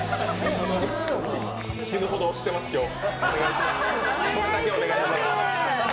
死ぬほど押してます、今日。